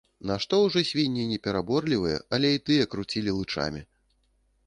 Нашто ўжо свінні непераборлівыя, але і тыя круцілі лычамі.